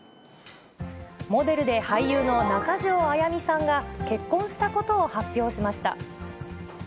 モデルで俳優の中条あやみさんが結婚したことを発表しました。